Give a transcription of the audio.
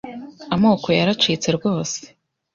Amoko yaracitse rwose